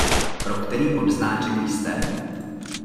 Pro který odznáček jste?